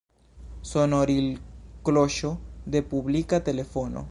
Sonoril-kloŝo de publika telefono.